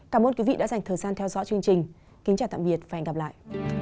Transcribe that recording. cảm ơn quý vị đã dành thời gian theo dõi chương trình kính chào tạm biệt và hẹn gặp lại